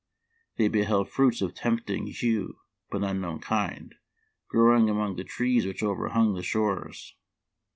They beheld fruits of tempting hue, but unknown kind, growing among the trees which overhung the shores.